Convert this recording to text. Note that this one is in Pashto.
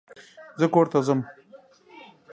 زه کور ته ځم